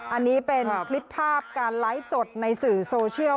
อันนี้เป็นคลิปภาพการไลฟ์สดในสื่อโซเชียล